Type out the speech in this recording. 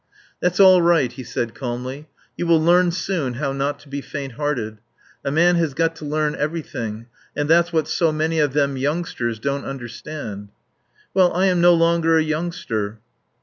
"That's all right," he said calmly. "You will learn soon how not to be faint hearted. A man has got to learn everything and that's what so many of them youngsters don't understand." "Well, I am no longer a youngster."